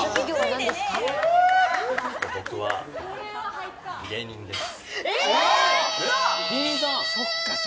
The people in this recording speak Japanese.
僕は芸人です。